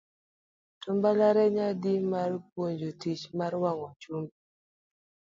To mbalariany adi ma puonjo tich mar wang'o chumbe.